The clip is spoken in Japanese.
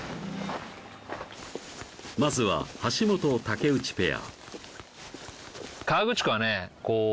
まずは橋本・竹内ペア